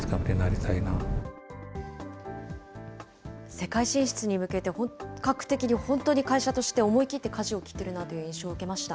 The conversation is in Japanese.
世界進出に向けて、本格的に、会社として思い切って舵を切っているなという印象を受けました。